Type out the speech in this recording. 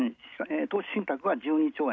投資信託が、１２兆円。